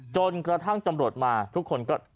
จนกระทั่งตำรวจมาทุกคนก็